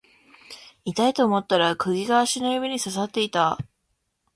痛いと思ったら釘が足の指に刺さっていた